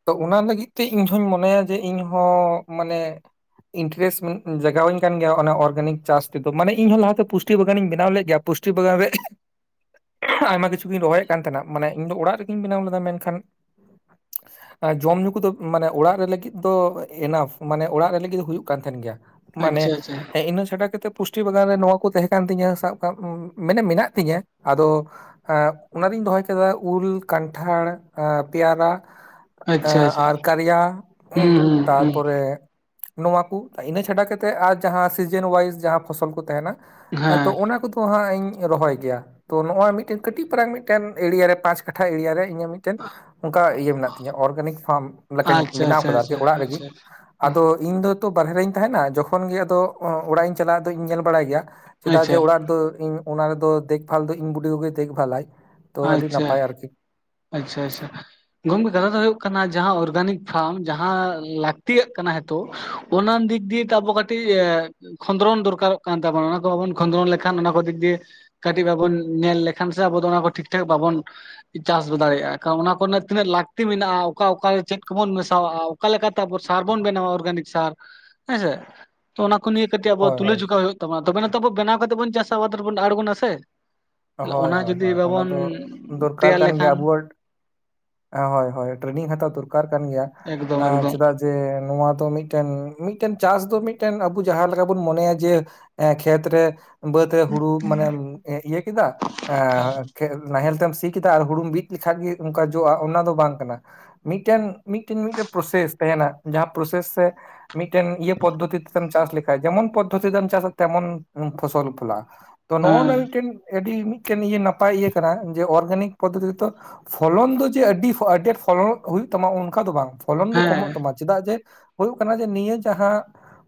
ᱛᱚ ᱚᱱᱟ ᱞᱟᱹᱜᱤᱫ ᱛᱮ ᱤᱧ ᱦᱚᱧ ᱢᱚᱱᱮᱭᱟ ᱡᱮ ᱤᱧ ᱦᱚᱸ ᱢᱟᱱᱮ ᱤᱱᱴᱟᱨᱮᱥᱴ ᱡᱟᱜᱟᱣ ᱟᱹᱧ ᱠᱟᱱ ᱜᱮᱭᱟ, ᱚᱱᱟ ᱚᱨᱜᱟᱱᱤᱠ ᱪᱟᱥ ᱛᱮᱫ ᱢᱟᱱᱮ ᱤᱧᱦᱚ ᱞᱟᱦᱟᱛᱮ ᱯᱩᱥᱴᱤ ᱵᱟᱜᱟᱱᱤᱧ ᱵᱮᱱᱟᱣ ᱞᱮᱫᱜ ᱜᱮᱭᱟ ᱯᱩᱥᱴᱤ [inaudible] ᱵᱟᱜᱟᱱ ᱨᱮ ᱟᱭᱢᱟ ᱠᱤᱪᱷᱩᱤᱧ ᱨᱚᱦᱚᱭᱮᱫ ᱠᱟᱱ ᱛᱟᱦᱮᱱᱟ ᱢᱟᱱᱮ ᱤᱧ ᱫᱚ ᱚᱲᱟᱜ ᱨᱮᱜᱤᱧ ᱵᱮᱱᱟᱣ ᱞᱮᱫᱟ ᱢᱮᱱᱠᱷᱟᱱ [unintelligible] ᱡᱚᱢ ᱧᱩ ᱠᱚᱫᱚ ᱢᱟᱱᱮ ᱚᱲᱟᱜ ᱨᱮ ᱞᱟᱹᱜᱤᱫ ᱫᱚ ᱮᱱᱟᱯ ᱢᱟᱱᱮ ᱚᱲᱟᱜ ᱨᱮ ᱞᱟᱹᱜᱤᱫ ᱫᱚ ᱦᱩᱭᱩᱜ ᱠᱟᱱ ᱛᱟᱦᱮᱱ ᱜᱮᱭᱟ ᱾ ᱢᱟᱱᱮ ᱟᱪᱪᱷᱟ ᱟᱪᱪᱷᱟ ᱤᱱᱟᱹ ᱥᱮᱴᱟ ᱠᱟᱛᱮ ᱯᱩᱥᱴᱤ ᱵᱟᱜᱟᱱ ᱨᱮ ᱱᱚᱶᱟ ᱠᱚ ᱛᱟᱦᱮᱸ ᱠᱟᱱ ᱛᱤᱧᱟᱹ ᱥᱟᱵ ᱠᱟᱜ ᱢᱟᱱᱮ ᱢᱮᱱᱟᱜ ᱛᱤᱧᱟᱹ ᱟᱫᱚ ᱮ ᱚᱱᱟᱨᱤᱧ ᱫᱚᱦᱚᱭ ᱠᱟᱫᱟ ᱩᱞ ᱠᱟᱱᱴᱷᱟᱲ ᱮ ᱯᱮᱭᱟᱨᱟ ᱟᱪᱪᱷᱟ ᱟᱪᱪᱷᱟ ᱟᱨ ᱠᱟᱨᱤᱭᱟ ᱦᱩᱸ ᱦᱩᱸ ᱦᱩᱸ ᱛᱟᱨᱯᱚᱨᱮ ᱱᱚᱣᱟᱠᱩ ᱤᱱᱟᱹ ᱪᱷᱟᱰᱟ ᱠᱟᱛᱮᱜ ᱟᱨ ᱡᱟᱦᱟᱸ ᱥᱤᱡᱮᱱ ᱳᱣᱟᱭᱤᱡ ᱡᱟᱦᱟᱸ ᱯᱷᱚᱥᱚᱞ ᱠᱚ ᱛᱟᱦᱮᱱᱟ ᱛᱚ ᱦᱮᱸ ᱚᱱᱟ ᱠᱚᱫᱚᱼᱼ ᱛᱚ ᱦᱟᱸᱜ ᱤᱧ ᱨᱚᱦᱚᱭ ᱜᱮᱭᱟ, ᱛᱚ ᱱᱚᱜᱼᱚᱭ ᱢᱤᱫᱴᱮᱱ ᱠᱟᱹᱴᱤᱡ ᱛᱟᱞᱟᱝ ᱢᱤᱫᱴᱮᱱ ᱮᱲᱤᱭᱟ ᱨᱮ ᱯᱟᱸᱪ ᱠᱟᱴᱷᱟ ᱮᱨᱤᱭᱟ ᱨᱮ ᱤᱧᱟᱹᱜ ᱢᱤᱫᱼᱼ ᱢᱤᱫᱴᱮᱱ ᱚᱱᱠᱟ ᱤᱭᱟᱹ ᱢᱮᱱᱟᱜ ᱛᱤᱧᱟ ᱚᱨᱜᱟᱱᱤᱠ ᱯᱷᱟᱨᱢ ᱞᱮᱠᱟᱧ ᱟᱪᱪᱷᱟ ᱵᱮᱱᱟᱣ ᱟᱪᱪᱷᱟ ᱠᱟᱫᱟ ᱟᱨᱠᱤ ᱟᱪᱪᱷᱟ ᱚᱲᱟᱜ ᱨᱮᱜᱮ ᱟᱪᱪᱷᱟ ᱾ ᱟᱫᱚ ᱤᱧ ᱫᱚ ᱛᱚ ᱵᱟᱦᱨᱮ ᱨᱮᱧ ᱛᱟᱦᱮᱱᱟ ᱡᱚᱠᱷᱚᱱ ᱜᱮ ᱟᱫᱚ ᱚᱲᱟᱜ ᱤᱧ ᱪᱟᱞᱟᱜᱼᱟ ᱟᱫᱚᱧ ᱧᱮᱞ ᱵᱟᱲᱟᱭ ᱜᱮᱭᱟ ᱾ ᱪᱮᱫᱟᱜ ᱡᱮ ᱟᱪᱪᱷᱟ ᱚᱲᱟᱜ ᱨᱮᱫᱚ ᱤᱧ ᱚᱱᱟ ᱨᱮᱫᱚ ᱫᱮᱠ ᱵᱷᱟᱞ ᱫᱚ ᱤᱧ ᱵᱩᱰᱤ ᱜᱚ ᱜᱮ ᱫᱮᱠᱷᱵᱷᱟᱞᱟᱭ ᱾ ᱟᱪᱪᱷᱟ, ᱟᱪᱪᱷᱟ ᱟᱪᱪᱷᱟ ᱾ ᱜᱚᱝᱠᱮ ᱠᱟᱛᱷᱟ ᱫᱚ ᱦᱳᱭᱳᱜ ᱠᱟᱱᱟ ᱡᱟᱦᱟᱸ ᱚᱨᱜᱟᱱᱤᱠ ᱯᱷᱟᱨᱢ ᱡᱟᱦᱟᱸ ᱞᱟᱹᱠᱛᱤᱭᱟᱜ ᱠᱟᱱᱟᱼᱼ ᱛᱚ ᱚᱱᱟ ᱫᱤᱠ ᱫᱤᱭᱮ ᱛᱚ ᱟᱵᱚ ᱠᱟᱹᱴᱤᱡᱼᱼ ᱠᱷᱚᱸᱫᱽᱨᱚᱱ ᱫᱚᱨᱠᱟᱨᱚᱜ ᱠᱟᱱ ᱛᱟᱵᱚᱱᱟ ᱚᱱᱟ ᱠᱚ ᱵᱟᱵᱚᱱ ᱠᱷᱚᱸᱫᱽᱨᱚᱱ ᱞᱮᱠᱷᱟᱱ ᱚᱱᱟ ᱠᱚ ᱫᱤᱠ ᱫᱤᱭᱮᱼᱼ ᱠᱟᱹᱴᱤᱡ ᱵᱟᱵᱚᱱ ᱧᱮᱞ ᱞᱮᱠᱷᱟᱱ ᱥᱮ ᱟᱵᱚ ᱫᱚ ᱚᱱᱟ ᱠᱚ ᱴᱷᱤᱠᱼᱼ ᱴᱷᱮᱠ ᱵᱟᱵᱚᱱ ᱪᱟᱥ ᱦᱚ ᱫᱟᱲᱮᱭᱟᱜᱼᱟ ᱮᱠᱷᱟᱱ ᱚᱱᱟ ᱠᱚᱨᱮᱱᱟᱜ ᱛᱤᱱᱟᱹᱜ ᱞᱟᱹᱠᱛᱤ ᱢᱮᱱᱟᱜᱼᱟ ᱚᱠᱟ ᱚᱠᱟ ᱨᱮ ᱪᱮᱫ? ᱵᱚᱱ ᱢᱮᱥᱟᱣᱟᱜᱼᱟ ᱚᱠᱟ ᱞᱮᱠᱟ ᱛᱮ ᱥᱟᱨ ᱵᱚᱱ ᱵᱮᱱᱟᱣᱟ ᱚᱨᱜᱟᱱᱤᱠ ᱥᱟᱨ ᱦᱮᱸᱥᱮ ᱛᱚ ᱚᱱᱟ ᱠᱚ ᱱᱤᱭᱟᱹ ᱠᱟᱹᱴᱤᱡ ᱟᱵᱚ ᱦᱳᱭ ᱛᱩᱞᱟᱹ ᱦᱳᱭ ᱡᱚᱠᱷᱟ ᱦᱩᱭᱩᱜ ᱛᱟᱵᱱᱟ ᱛᱚᱵᱮ ᱱᱟ ᱛᱚ ᱟᱵᱚ ᱵᱮᱱᱟᱣ ᱠᱟᱛᱮ ᱵᱚᱱ ᱪᱟᱥ ᱟᱵᱟᱫ ᱨᱮᱵᱚᱱ ᱰᱟᱦᱟᱲ ᱵᱚᱱᱟ ᱥᱮ ᱛᱟᱦᱞᱮ ᱦᱳᱭ ᱚᱱᱟ ᱦᱳᱭ ᱡᱩᱫᱤ ᱦᱳᱭ ᱚᱱᱟ ᱵᱟᱵᱚᱱ ᱫᱚ ᱫᱚᱨᱠᱟᱨ ᱛᱮᱭᱟᱨ ᱠᱟᱱ ᱜᱮᱭᱟ ᱞᱮᱠᱷᱟᱱ ᱟᱵᱚᱣᱟᱜ ᱦᱳᱭ ᱦᱳᱭ ᱴᱨᱮᱱᱤᱝ ᱦᱟᱛᱟᱣ ᱫᱚᱨᱠᱟᱨ ᱠᱟᱱ ᱜᱮᱭᱟ ᱮᱠᱫᱚᱢ ᱮᱸ ᱮᱠᱫᱚᱢ ᱪᱮᱫᱟᱜ ᱡᱮ ᱡᱮ ᱱᱚᱣᱟ ᱫᱚ ᱢᱤᱫᱴᱮᱱ ᱢᱤᱫᱴᱮᱱ ᱪᱟᱥ ᱫᱚ ᱢᱤᱫᱴᱮᱱ ᱟᱵᱩ ᱡᱟᱦᱟᱸ ᱞᱮᱠᱟ ᱵᱩᱱ ᱢᱚᱱᱮᱭᱟ ᱡᱮ ᱮᱸ ᱠᱷᱮᱛ ᱨᱮ ᱵᱟᱹᱫᱽ ᱨᱮ ᱦᱩᱲᱩ ᱢᱟᱱᱮ ᱮᱸ ᱤᱭᱟᱹ ᱠᱮᱫᱟ ᱮᱸ ᱠᱷᱮ ᱱᱟᱦᱮᱞ ᱛᱮᱢ ᱥᱤ ᱠᱮᱫᱟ ᱟᱨ ᱦᱩᱲᱩᱢ ᱵᱤᱫ ᱞᱮᱠᱷᱟᱡ ᱜᱮ ᱚᱱᱠᱟ ᱡᱚᱜᱼᱟ ᱚᱱᱟ ᱫᱚ ᱵᱟᱝ ᱠᱟᱱᱟ᱾ ᱢᱤᱫᱴᱮᱱ ᱢᱤᱫᱴᱮᱱ ᱢᱤᱫᱴᱮᱱ ᱯᱟᱨᱚᱥᱮᱥ ᱛᱟᱦᱮᱱᱟ ᱡᱟᱦᱟᱸ ᱯᱚᱨᱚᱥᱮᱥ ᱢᱤᱫᱴᱮᱱ ᱤᱭᱟᱹ ᱯᱚᱫᱽᱫᱷᱚᱛᱤ ᱛᱮᱢ ᱪᱟᱥ ᱞᱮᱠᱷᱟᱡ ᱡᱮᱢᱚᱱ ᱯᱚᱫᱽᱫᱷᱚᱛᱤ ᱛᱮᱢ ᱪᱟᱥᱟ ᱛᱮᱢᱚᱱ ᱯᱷᱚᱥᱚᱞ ᱯᱷᱞᱟᱜᱼᱟ᱾ ᱛᱚ ᱱᱚᱜᱼᱚᱭ ᱱᱚᱣᱟ ᱦᱮᱸ ᱢᱤᱫᱴᱮᱱ ᱟᱹᱰᱤ ᱢᱤᱫᱴᱮᱱ ᱤᱭᱟᱹ ᱱᱟᱯᱟᱭ ᱤᱭᱟᱹ ᱠᱟᱱᱟ ᱡᱮ ᱚᱨᱜᱟᱱᱤᱠ ᱯᱚᱫᱽᱫᱷᱚᱛᱤ ᱛᱮᱫᱚ? ᱯᱷᱚᱞᱚᱱ ᱫᱚ ᱡᱮ ᱟᱹᱰᱤ ᱠᱷᱚᱡ ᱟᱹᱰᱤ ᱯᱷᱚᱞᱚᱱ ᱦᱩᱭᱩᱜ ᱛᱟᱢᱟ ᱚᱱᱠᱟ ᱫᱚ ᱵᱟᱝ ᱯᱷᱚᱞᱚᱱ ᱫᱚ ᱠᱚᱢᱚᱜ ᱦᱮᱸ ᱛᱟᱢᱟ᱾ ᱪᱮᱫᱟᱜ ᱡᱮ ᱦᱩᱭᱩᱜ ᱠᱟᱱᱟ ᱡᱮ ᱱᱤᱭᱟᱹ ᱡᱟᱦᱟᱸ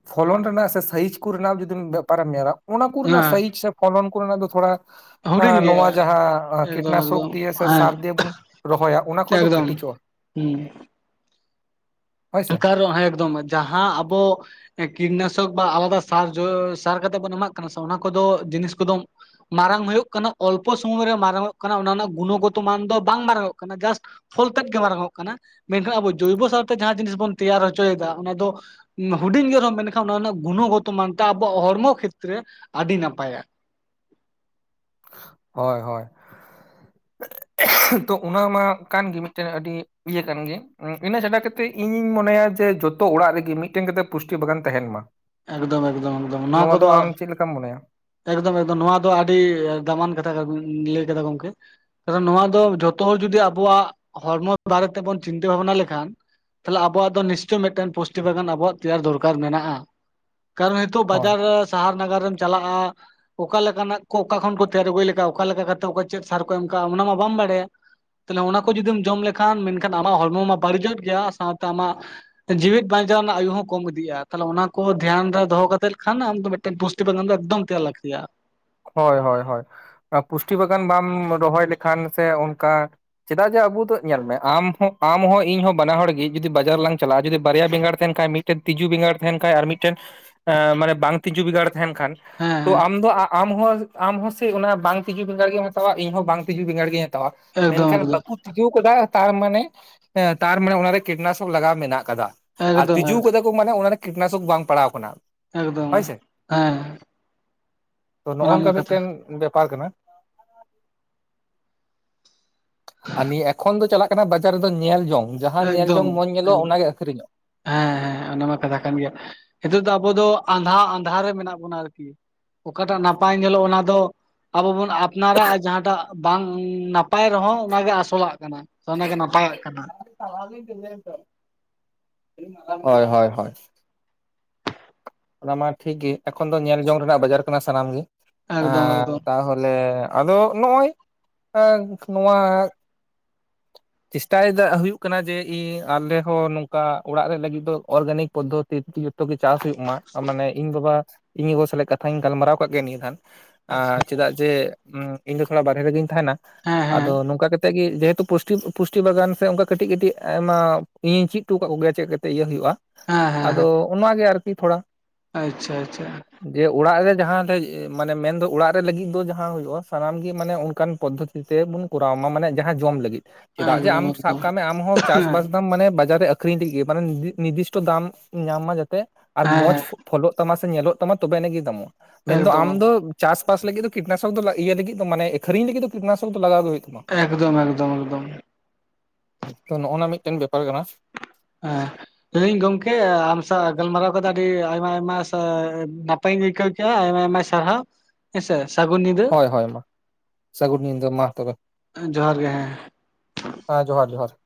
ᱯᱷᱚᱞᱚᱱ ᱨᱮᱱᱟᱜ ᱥᱮ ᱥᱟᱭᱤᱡ ᱠᱚᱨᱮᱱᱟᱜ ᱡᱩᱫᱤᱢ ᱵᱮᱯᱟᱨ ᱮᱢ ᱧᱮᱞᱟ ᱚᱱᱟ ᱠᱚᱨᱮᱱᱟᱜ ᱦᱮᱸ ᱥᱟᱭᱤᱡ ᱥᱮ ᱯᱷᱚᱞᱚᱱ ᱠᱚᱨᱮᱱᱟᱜ ᱫᱚ ᱛᱷᱚᱲᱟ᱾ ᱦᱩᱰᱤᱧ ᱮᱸ ᱜᱮᱭᱟ ᱱᱚᱣᱟ ᱡᱟᱦᱟᱸ ᱮᱠᱫᱚᱢ ᱮᱠᱫᱚᱢ ᱠᱤᱴᱱᱟᱥᱩᱠ ᱫᱤᱭᱮ ᱥᱮ ᱦᱮᱸ ᱥᱟᱨ ᱫᱤᱭᱮ ᱵᱚᱱ ᱨᱚᱦᱚᱭᱟ ᱚᱱᱟ ᱠᱷᱚᱡ ᱫᱚ ᱮᱠᱫᱚᱢ ᱠᱟᱹᱴᱤᱡᱚᱜᱼᱟ᱾ ᱦᱩᱸ ᱦᱳᱭ ᱥᱮ ᱠᱟᱨᱚ ᱦᱮᱸ ᱮᱠᱫᱚᱢ ᱡᱟᱦᱟᱸ ᱟᱵᱚ ᱠᱤᱴᱱᱟᱥᱚᱠ ᱵᱟ ᱟᱞᱟᱫᱟ ᱥᱟᱨ ᱡᱚ ᱥᱟᱨ ᱠᱟᱛᱮ ᱵᱚᱱ ᱮᱢᱟᱜ ᱠᱟᱱᱟ ᱥᱮ ᱚᱱᱟ ᱠᱚᱫᱚ ᱡᱤᱱᱤᱥ ᱠᱚᱫᱚ ᱢᱟᱨᱟᱝ ᱦᱩᱭᱩᱜ ᱠᱟᱱᱟ ᱚᱞᱯᱚ ᱥᱚᱢᱚᱭ ᱨᱮ ᱢᱟᱨᱟᱝᱚᱜ ᱠᱟᱱᱟ ᱚᱱᱟ ᱨᱮᱱᱟᱜ ᱜᱩᱱᱚᱜᱚᱛᱚ ᱢᱟᱱ ᱫᱚ ᱵᱟᱝ ᱢᱟᱨᱟᱝᱚᱜ ᱠᱟᱱᱟ ᱡᱟᱥᱴ ᱯᱷᱚᱞ ᱛᱮᱫ ᱜᱮ ᱢᱟᱨᱟᱝ ᱚᱜ ᱠᱟᱱᱟ ᱢᱮᱱᱠᱷᱟᱱ ᱟᱵᱚ ᱡᱳᱭᱵᱚ ᱥᱟᱨ ᱛᱮ ᱡᱟᱦᱟᱸ ᱡᱤᱱᱤᱥ ᱵᱚᱱ ᱛᱮᱭᱟᱨ ᱦᱚᱪᱚᱭᱮᱫᱟ ᱚᱱᱟ ᱫᱚ ᱦᱩᱰᱤᱧ ᱜᱮ ᱨᱮᱦᱚᱸ ᱢᱮᱱᱠᱷᱟᱱ ᱚᱱᱟ ᱨᱮᱱᱟᱜ ᱜᱩᱱᱚᱜᱚᱛᱚ ᱢᱟᱱᱛᱮ ᱟᱵᱚᱣᱟᱜ ᱦᱚᱲᱢᱚ ᱠᱷᱤᱛ ᱨᱮ ᱟᱹᱰᱤ ᱱᱟᱯᱟᱭᱟ᱾ ᱦᱳᱭ ᱦᱳᱭ [inaudible] ᱛᱚ ᱚᱱᱟ ᱢᱟ ᱠᱟᱱ ᱜᱮ ᱢᱤᱫᱴᱮᱱ ᱟᱹᱰᱤ ᱤᱭᱟᱹ ᱠᱟᱱ ᱜᱮ ᱤᱱᱟᱹ ᱪᱷᱟᱰᱟ ᱠᱟᱛᱮᱜ ᱤᱧᱤᱧ ᱢᱚᱱᱮᱭᱟ ᱡᱮ ᱡᱚᱛᱚ ᱚᱲᱟᱜ ᱨᱮᱜᱮ ᱢᱤᱫᱴᱮᱱ ᱠᱟᱛᱮᱫ ᱯᱩᱥᱴᱤ ᱵᱟᱜᱟᱱ ᱛᱟᱦᱮᱱ ᱢᱟ᱾ ᱮᱠᱫᱚᱢ ᱮᱠᱫᱚᱢ ᱮᱠᱫᱚᱢ ᱚᱱᱟ ᱱᱚᱣᱟ ᱫᱚ ᱠᱚᱫᱚ ᱟᱢ ᱪᱮᱫ ᱞᱮᱠᱟᱢ ᱢᱚᱱᱮᱭᱟ ᱮᱠᱫᱚᱢ ᱮᱠᱫᱚᱢ ᱱᱚᱣᱟ ᱫᱚ ᱟᱹᱰᱤ ᱫᱟᱢᱟᱱ ᱠᱟᱛᱷᱟ ᱜᱮᱵᱤᱱ ᱞᱟᱹᱭ ᱠᱮᱫᱟ ᱜᱚᱝᱠᱮ᱾ ᱛᱚᱵᱮ ᱱᱚᱣᱟ ᱫᱚ ᱡᱷᱚᱛᱚ ᱦᱚᱲ ᱡᱩᱚᱫᱤ ᱟᱵᱚᱣᱟᱜ ᱦᱚᱲᱢᱚ ᱵᱟᱨᱮ ᱛᱮᱵᱚᱱ ᱪᱤᱱᱛᱟᱹ ᱵᱷᱟᱵᱱᱟ ᱞᱮᱠᱷᱟᱱ? ᱛᱟᱦᱚᱞᱮ ᱟᱵᱚᱣᱟᱜ ᱫᱚ ᱱᱤᱥᱪᱚᱭ ᱢᱤᱫᱴᱮᱱ ᱯᱩᱥᱴᱤ ᱵᱟᱜᱟᱱ ᱟᱵᱚᱣᱟᱜ ᱛᱮᱭᱟᱨ ᱫᱚᱨᱠᱟᱨ ᱢᱮᱱᱟᱜᱼᱟ᱾ ᱠᱟᱨᱚᱱ ᱦᱤᱛᱚᱜ ᱦᱳᱭ ᱵᱟᱡᱟᱨ ᱨᱮ ᱥᱟᱦᱟᱨ ᱱᱟᱜᱟᱨ ᱨᱮᱢ ᱪᱟᱞᱟᱜᱼᱟ᱾ ᱚᱠᱟ ᱞᱮᱠᱟᱱᱟᱜ ᱠᱚ ᱚᱠᱟ ᱠᱷᱚᱱ ᱠᱚ ᱛᱮᱭᱟᱨ ᱟᱹᱜᱩᱭ ᱞᱮᱠᱟ ᱚᱠᱟ ᱞᱮᱠᱟ ᱠᱟᱛᱮᱫ ᱚᱠᱟ ᱪᱮᱫ ᱥᱟᱨ ᱠᱚ ᱮᱢ ᱠᱟᱜᱼᱟ ᱚᱱᱟ ᱢᱟ ᱵᱟᱢ ᱵᱟᱲᱟᱭᱟ᱾ ᱛᱟᱦᱞᱮ ᱚᱱᱟ ᱠᱚ ᱡᱩᱫᱤᱢ ᱡᱚᱢ ᱞᱮᱠᱷᱟᱱ ᱢᱮᱱᱠᱷᱟᱱ ᱟᱢᱟᱜ ᱦᱚᱲᱢᱚ ᱢᱟ ᱵᱟᱹᱲᱤᱡᱚᱜ ᱜᱮᱭᱟ ᱥᱟᱶᱛᱮ ᱟᱢᱟᱜ ᱡᱤᱣᱤᱫ ᱵᱟᱧᱪᱟᱣ ᱨᱮᱱᱟᱜ ᱟᱹᱭᱩ ᱦᱚᱸ ᱠᱚᱢ ᱤᱫᱤᱜᱼᱟ ᱛᱟᱦᱚᱞᱮ ᱚᱱᱟ᱾ ᱠᱚ ᱫᱷᱮᱭᱟᱱ ᱨᱮ ᱫᱚᱦᱚ ᱠᱟᱛᱮᱫ ᱞᱮᱠᱷᱟᱱ ᱟᱢ ᱢᱤᱫᱴᱮᱱ ᱯᱩᱥᱴᱤ ᱵᱟᱜᱟᱱ ᱫᱚ ᱮᱠᱫᱚᱢ ᱛᱮᱭᱟᱨ ᱞᱟᱹᱠᱛᱤᱜᱼᱟ᱾ ᱦᱳᱭ ᱦᱳᱭ ᱦᱳᱭ ᱯᱩᱥᱴᱤ ᱵᱟᱜᱟᱱ ᱵᱟᱢ ᱨᱚᱦᱚᱭ ᱞᱮᱠᱷᱟᱱ ᱥᱮ ᱚᱱᱠᱟ᱾ ᱪᱮᱫᱟᱜ ᱡᱮ ᱟᱵᱩ ᱫᱚ ᱧᱮᱞ ᱢᱮ ᱟᱢ ᱦᱚᱸ ᱟᱢ ᱦᱚᱸ ᱤᱧ ᱦᱚᱸ ᱵᱟᱱᱟ ᱦᱚᱲ ᱜᱤ ᱡᱩᱫᱤ ᱵᱟᱡᱟᱨᱞᱟᱝ ᱪᱟᱞᱟᱜᱼᱟ ᱡᱩᱫᱤ ᱵᱟᱨᱭᱟ ᱵᱮᱸᱜᱟᱲ ᱛᱟᱦᱮᱱ ᱠᱷᱟᱡ ᱢᱤᱫ ᱢᱤᱫᱴᱮᱱ ᱛᱤᱡᱩ ᱵᱮᱸᱜᱟᱲ ᱛᱟᱦᱮᱱ ᱠᱷᱟᱱ ᱟᱨ ᱢᱤᱫᱴᱮᱱ ᱢᱟᱱᱮ ᱵᱟᱝ ᱛᱤᱡᱩ ᱵᱮᱸᱜᱟᱲ ᱛᱟᱦᱮᱱ ᱠᱷᱟᱱ ᱦᱮᱸ ᱛᱚ ᱦᱮᱸ ᱟᱢ ᱫᱚ ᱟᱢ ᱦᱚᱸ ᱟᱢ ᱦᱚᱸ ᱥᱮ ᱚᱱᱟ ᱵᱟᱝ ᱛᱤᱡᱩ ᱵᱮᱜᱟᱸᱲ ᱜᱮᱢ ᱦᱟᱛᱟᱣᱟ ᱤᱧ ᱦᱚᱸ ᱵᱟᱝ ᱛᱤᱡᱩ ᱵᱮᱜᱟᱸᱲ ᱜᱤᱧ ᱦᱟᱛᱟᱣᱟ ᱮᱠᱫᱚᱢ ᱢᱮᱱᱠᱷᱟᱱ ᱮᱠᱫᱚᱢ ᱵᱟᱠᱩ ᱛᱤᱡᱩ ᱠᱟᱫᱟᱭ ᱛᱟᱨ ᱢᱟᱱᱮ ᱛᱟᱨ ᱢᱟᱱᱮ ᱚᱱᱟᱨᱮ ᱠᱤᱴᱱᱟᱥᱚᱠ ᱞᱟᱜᱟᱣ ᱢᱮᱱᱟᱜ ᱟᱠᱟᱫᱟ᱾ ᱟᱨ ᱛᱤᱡᱩ ᱮᱠᱫᱚᱢ ᱠᱟᱫᱟ ᱠᱚ ᱢᱟᱱᱮ ᱚᱱᱟᱨᱮ ᱠᱤᱴᱱᱟᱥᱚᱠ ᱵᱟᱝ ᱯᱟᱲᱟᱣ ᱟᱠᱟᱱᱟ᱾ ᱮᱠᱫᱚᱢ ᱮᱸ ᱛᱚ ᱱᱚᱜᱼᱚᱭ ᱱᱚᱝᱠᱟ ᱢᱤᱫᱴᱮᱱ ᱵᱮᱯᱟᱨ ᱠᱟᱱᱟ᱾ ᱟᱨ ᱱᱤᱭᱟᱹ ᱮᱠᱷᱚᱱ ᱫᱚ ᱪᱟᱞᱟᱜ ᱠᱟᱱᱟ ᱵᱟᱡᱟᱨ ᱨᱮ ᱫᱚ ᱧᱮᱞ ᱡᱚᱝ ᱡᱟᱦᱟᱸ ᱧᱮᱞ ᱮᱠᱫᱚᱢ ᱡᱚᱝ ᱢᱚᱸᱡᱽ ᱮᱠ- ᱧᱮᱞᱚᱜᱼᱟ ᱚᱱᱟ ᱜᱮ ᱟᱠᱷᱨᱤ ᱧᱚᱜ ᱦᱮᱸ ᱦᱮᱸ ᱚᱱᱟ ᱢᱟ ᱠᱟᱛᱷᱟ ᱠᱟᱱ ᱜᱮᱭᱟ, ᱱᱤᱛᱚᱜ ᱫᱚ ᱟᱵᱚ ᱫᱚ ᱟᱸᱫᱷᱟ ᱟᱸᱫᱷᱟ ᱨᱮ ᱢᱮᱱᱟᱜ ᱵᱚᱱᱟ ᱟᱨᱠᱤ ᱾ ᱚᱠᱟᱴᱟᱜ ᱱᱟᱯᱟᱭ ᱧᱮᱞᱚᱜ ᱚᱱᱟ ᱫᱚ ᱟᱵᱚ ᱵᱚᱱ ᱟᱯᱱᱟᱨᱟ ᱡᱟᱦᱟᱸᱴᱟᱜ ᱵᱟᱝ ᱱᱟᱯᱟᱭ ᱨᱮᱦᱚᱸ ᱚᱱᱟᱜᱮ ᱟᱥᱚᱞᱟᱜ ᱠᱟᱱᱟ ᱾ ᱛᱚ ᱚᱱᱟ ᱜᱮ ᱱᱟᱯᱟᱭᱟᱜ ᱠᱟᱱᱟ ᱾ [unintelligible] ᱦᱳᱭ ᱦᱳᱭ ᱦᱳᱭ ᱾ ᱚᱱᱟ ᱢᱟ ᱴᱷᱤᱠ ᱜᱤ ᱮᱠᱷᱚᱱ ᱫᱚ ᱧᱮᱞ ᱡᱚᱝ ᱨᱮᱱᱟᱜ ᱵᱟᱡᱟᱨ ᱠᱟᱱᱟ ᱥᱟᱱᱟᱢ ᱜᱤ, ᱮᱠᱫᱚᱢ ᱮᱸᱻ ᱮᱠᱫᱚᱢ ᱛᱟᱦᱚᱞᱮ ᱟᱫᱚ ᱱᱚᱜᱼᱚᱭ ᱮᱸᱜ ᱱᱚᱣᱟ ᱪᱮᱥᱴᱟᱭᱮᱫᱟ ᱦᱩᱭᱩᱜ ᱠᱟᱱᱟ ᱡᱮ ᱤᱧ ᱟᱞᱮᱦᱚᱸ ᱱᱚᱝᱠᱟ ᱚᱲᱟᱜ ᱨᱮ ᱞᱟᱹᱜᱤᱫ ᱫᱚ ᱚᱨᱜᱟᱱᱤᱠ ᱯᱚᱫᱽᱫᱷᱚᱛᱤ ᱫᱤᱭᱮ ᱛᱚ ᱜᱮ ᱪᱟᱥ ᱦᱩᱭᱩᱜ ᱢᱟ, ᱢᱟᱱᱮ ᱤᱧ ᱵᱟᱵᱟ ᱤᱧ ᱜᱚᱜᱚ ᱥᱟᱞᱟᱜ ᱠᱟᱛᱷᱟᱧ ᱜᱟᱞᱢᱟᱨᱟᱣ ᱠᱟᱜ ᱱᱤᱭᱟᱹ ᱫᱷᱟᱱ ᱾ ᱟᱪᱪᱷᱟ ᱟᱸᱻ ᱪᱮᱫᱟᱜ ᱡᱮ ᱤᱧ ᱫᱚ ᱛᱷᱚᱲᱟ ᱵᱟᱨᱦᱮ ᱨᱮᱜᱤᱧ ᱛᱟᱦᱮᱱᱟ, ᱦᱮᱸ ᱦᱮᱸ ᱟᱫᱚ ᱱᱚᱝᱠᱟ ᱠᱟᱛᱮᱜ ᱜᱮ ᱡᱮ ᱯᱩᱥᱴᱤ ᱯᱩᱥᱴᱤ ᱵᱟᱜᱟᱱ ᱥᱮ ᱚᱱᱠᱟ ᱠᱟᱹᱴᱤᱡ ᱠᱟᱹᱴᱤᱡ ᱟᱭᱢᱟ ᱤᱧᱤᱧ ᱪᱤᱫ ᱚᱴᱚ ᱟᱠᱟᱫ ᱠᱚᱜᱮᱭᱟ ᱪᱮᱫ ᱠᱟᱛᱮ ᱤᱭᱟᱹ ᱦᱩᱭᱩᱜᱼᱟ ᱦᱮᱸ ᱾ ᱦᱮᱸ ᱦᱮᱸ ᱟᱫᱚ ᱚᱱᱟ ᱜᱮ ᱟᱨᱠᱤ ᱛᱷᱚᱲᱟ ᱾ ᱟᱪᱪᱷᱟ ᱟᱪᱪᱷᱟ ᱾ ᱡᱮ ᱚᱲᱟᱜ ᱨᱮ ᱡᱟᱦᱟᱸ ᱞᱮ ᱢᱟᱱᱮ ᱢᱮᱱ ᱫᱚ ᱚᱲᱟᱜ ᱨᱮ ᱞᱟᱹᱜᱤᱫ ᱫᱚ ᱡᱟᱦᱟᱸ ᱦᱩᱭᱩᱜᱼᱟ, ᱥᱟᱱᱟᱢ ᱜᱮ ᱢᱟᱱᱮ ᱚᱱᱠᱟᱱ ᱯᱚᱫᱷᱚᱛᱤ ᱛᱮ ᱵᱚᱱ ᱠᱚᱨᱟᱣ ᱢᱟ ᱢᱟᱱᱮ ᱡᱟᱦᱟᱸ ᱡᱚᱢ ᱞᱟᱹᱜᱤᱫ ᱾ ᱪᱮᱫᱟᱜ ᱡᱮ ᱮᱠᱫᱚᱢ ᱟᱢ ᱥᱟᱵ ᱮᱠᱫᱚᱢ ᱠᱟᱜ ᱢᱮ ᱟᱢᱦᱚᱸ ᱦᱮᱸ ᱪᱟᱥᱵᱟᱥ ᱫᱟᱢ ᱢᱟᱱᱮ ᱵᱟᱡᱟᱨ ᱨᱮ ᱟᱹᱠᱷᱨᱤᱧ ᱛᱤᱜᱤ ᱢᱟᱱᱮ ᱱᱤᱨᱫᱤᱥᱴᱚ ᱫᱟᱢ ᱧᱟᱢ ᱢᱟ ᱡᱟᱛᱮ ᱟᱨ ᱢᱚᱸᱡᱽ ᱦᱮᱸ ᱯᱷᱚᱞᱚᱜ ᱛᱟᱢᱟ ᱥᱮ ᱧᱮᱞᱚᱜ ᱛᱟᱢᱟ ᱛᱚᱵᱮ ᱟᱹᱱᱤᱡ ᱜᱮ ᱫᱟᱢᱚᱜᱼᱟ, ᱢᱮᱱᱫᱚ ᱮᱠᱫᱚᱢ ᱟᱢ ᱫᱚ ᱪᱟᱥᱵᱟᱥ ᱞᱟᱹᱜᱤᱫ ᱫᱚ ᱠᱤᱴᱱᱟᱥᱚᱠ ᱫᱚ ᱞᱟ ᱤᱭᱟᱹ ᱞᱟᱹᱜᱤᱫ ᱢᱟᱱᱮ ᱟᱹᱷᱨᱤᱧ ᱞᱟᱹᱜᱤᱫ ᱫᱚ ᱠᱤᱴᱱᱟᱥᱚᱠ ᱫᱚ ᱞᱟᱜᱟᱣ ᱜᱮ ᱦᱩᱭᱩᱜ ᱛᱟᱢᱟ ᱾ ᱮᱠᱫᱚᱢ ᱮᱠᱫᱚᱢ ᱮᱠᱫᱚᱢ ᱾ ᱛᱚ ᱱᱚᱜᱼᱚᱱᱟ ᱢᱤᱫᱴᱮᱱ ᱵᱮᱯᱟᱨ ᱠᱟᱱᱟ ᱾ ᱦᱮᱸ ᱞᱟᱹᱭᱫᱟᱹᱧ ᱜᱚᱝᱠᱮ ᱟᱢ ᱥᱟᱶ ᱜᱟᱞᱢᱟᱨᱟᱣ ᱠᱟᱛᱮ ᱟᱹᱰᱤ ᱟᱭᱢᱟ ᱟᱭᱢᱟ ᱥᱟ ᱱᱟ ᱯᱟᱭᱤᱧ ᱟᱭᱠᱟᱣ ᱠᱮᱜᱼᱟ ᱟᱭᱢᱟ ᱟᱭᱢᱟ ᱥᱟᱨᱦᱟᱣ ᱾ ᱦᱮᱸᱥᱮ ᱥᱟᱹᱜᱩᱱ ᱧᱤᱫᱟᱹ, ᱦᱳᱭ ᱦᱳᱭ ᱢᱟ ᱥᱟᱹᱜᱩᱱ ᱧᱤᱫᱟᱹ ᱢᱟ ᱛᱚᱵᱮ ᱦᱮᱸ ᱡᱚᱦᱟᱨ ᱜᱮ ᱦᱮᱸ ᱾ ᱦᱮᱸ ᱡᱚᱦᱟᱨ ᱡᱚᱦᱟᱨ ᱾